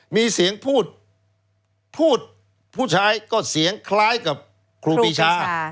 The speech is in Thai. มีเสียงพูดพูดผู้ชายก็เสียงคล้ายกับครูปีชา